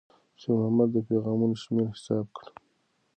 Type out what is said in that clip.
خیر محمد د پیغامونو شمېر حساب کړ.